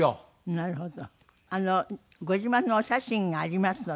なるほど。